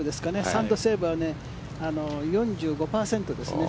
サンドセーブは４５％ですね。